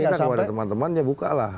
saya pikir kalau ada teman temannya buka lah